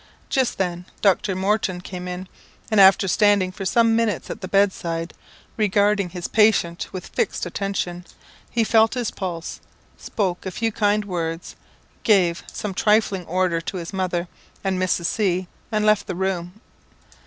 Just then Dr. Morton came in, and after standing for some minutes at the bed side, regarding his patient with fixed attention, he felt his pulse, spoke a few kind words, gave some trifling order to his mother and Mrs. C , and left the room.